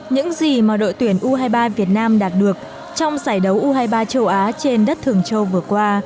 những gì mà đội tuyển u hai mươi ba việt nam đạt được trong giải đấu u hai mươi ba châu á trên đất thường châu vừa qua